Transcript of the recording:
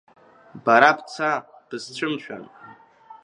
Бара бца, бысцәымшәан.